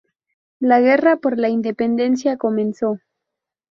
La guerra por la independencia comenzó.